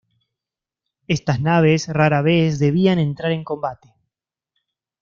Estas naves rara vez debían entrar en combate.